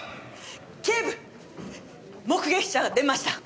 警部目撃者が出ました！